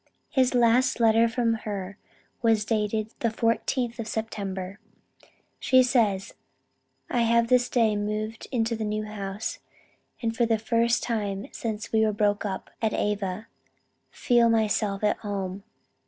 His last letter from her was dated the 14th of September. She says, "I have this day moved into the new house, and for the first time since we were broken up at Ava, feel myself at home.